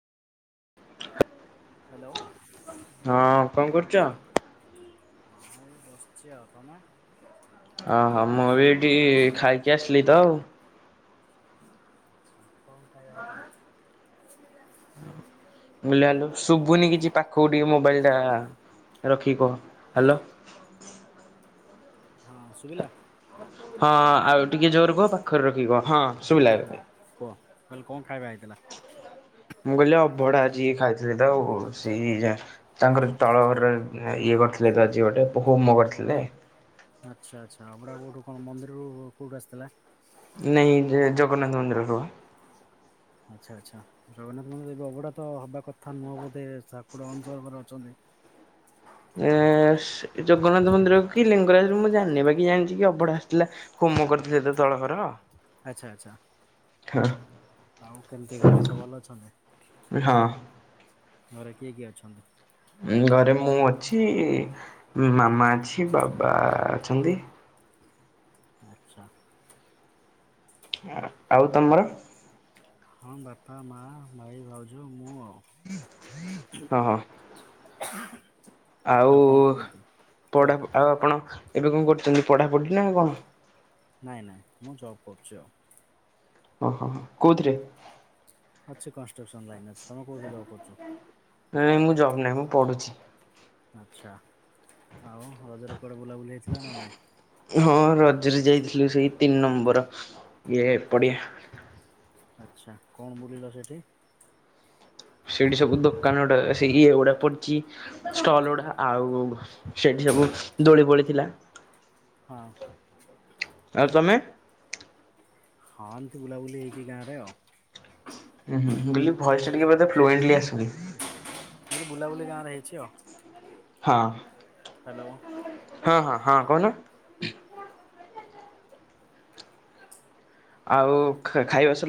Hello. ହଁ କଣ କରୁଚ? ହଁ ଏଇ ବସିଚି ଆଉ ତମେ? ଅଁ ହଁ ମୁବି ଏଠି ଖାଇକି ଆସିଲିତ ଆଉ। ଆଛା କଣ ଖାଇବା ହେଇଥିଲା? [unintelligible] ଶୁବୁନି କିଛି ପାଖକୁ ଟିକେ ମୋବାଇଲ୍ ଟା ରଖିକି କହ ହାଲୋ [inaudible] ହଁ ସୁବିଲା? ହଁ ଆଉ ଟିକେ ଜୋରେ କୁହ ପାଖରେ ରଖିକି କୁହ। ହଁ ହୁଁ ଶୁଭିଲା ହୁଁ ଏବେ। କହ କାଲି କଣ ଖାଇବା ହେଇଥିଲା? ମୁଁ କହିଲି ଅଭଡା ଆଜି ଖାଇଥିଲି ତ ଆଉ ସେଇ ଯାହା ତାଙ୍କର ତଳ ଘରରେ ଇଏ କରିଥିଲେ ତ ଆଜି ଗୋଟେ ପୋହୁମ କରିଥିଲେ ଆଚ୍ଛା ଆଚ୍ଛା ଅଭଡା କୋଉଠୁ କଣ ମନ୍ଦିରରୁ କୋଉଠୁ ଆସିଥିଲା ନାଇଁ ଜଗନ୍ନାଥ ମନ୍ଦିର ରୁ ଆଚ୍ଛା ଆଚ୍ଛା ଜଗନ୍ନାଥ ମନ୍ଦିର ଏବେ ଅଭଡା ତ ହବା କଥା ନୁହଁ ବୋଧେ ଠାକୁର ଅଣସର ଘରେ ଅଛନ୍ତି ଏ ଜଗନ୍ନାଥ ମନ୍ଦିରକୁ କି ଲିଙ୍ଗରାଜରୁ ମୁଁ ଜାଣିନି ବାକି ଜାଣିଛି କି ଅବଡ଼ା ଆସିଥିଲା ହୁମ କରିଥିଲେତ ତଳ ଘର ଆଚ୍ଛା ଆଚ୍ଛା। ହଁ। ଆଉ କେମିତି ଘରେ ସବୁ ଭଲ ଅଛନ୍ତି ହଁ। ଘରେ କିଏ କିଏ ଅଛନ୍ତି? ଘରେ ମୁଁ ଅଛି ମାମା ଅଛି ବାବା ଅଛନ୍ତି ଆଚ୍ଛା। ଆ ଆଉ ତମର ହଁ ବାପା, ମା, ଭାଇ, ଭାଉଜ, ମୁଁ ଆଉ ହଁ ହଁ [inaudible] ଆଉ କଣ କେମିତି? କୁହ ପଢ଼ା ଆଉ ଆପଣ ଏବେ କଣ କରୁଛନ୍ତି ପଢ଼ାପଢ଼ି ନା କଣ ନାଇଁ ନାଇଁ ମୁଁ ଜବ୍ କରୁଛି ଆଉ ହଁ ହଁ କୋଉଥିରେ? ଅଛି କନଷ୍ଟ୍ରକ୍ସନ ଲାଇନରେ ଅଛି ତମେ କୋଉଥିରେ ଜବ୍ କରୁଛ। ନାଇଁ ମୁଁ ଜବ ନାହିଁ ମୁଁ ପଢୁଛି ଆଚ୍ଛା ଆଉ ରଜରେ କୁଆଡ଼େ ବୁଲାବୁଲି ହେଇଥିଲା ନା ନହିଁ। ହଁ ରଜରେ ଯାଇଥିଲୁ ସେଇ ତିନି ନମ୍ବର ଇଏ ପଡିଆ। ଆଚ୍ଛା କଣ ବୁଲିଲ ସେଠି ସେଇଠି ସବୁ ଦୋକାନ ଗୁଡା ସେଇ ଇଏ ଗୁଡା ପଡିଛି ଷ୍ଟଲ ଗୁଡା ଆଉ ସେଠି ସବୁ ଦୋଳି ପଡିଥିଲା ହଁ। ଆଉ ତମେ? ହଁ ଏମିତି ବୁଲାବୁଲି ହେଇକି ଗାଁରେ ଆଉ। ଉହୁଁ ମୁଁ କହିଲି ଭଏସା ବୋଧେ ଫ୍ଳୋଏଣ୍ଟଲି ଆସୁନି ଟିକେ ବୁଲାବୁଲି ଗାଁରେ ହେଇଛି ଆଉ ହଁ। ହ୍ୟାଲୋ। ହଁ ହଁ ହଁ କହୁନୁ ଆଉ ଖାଇବାସଲ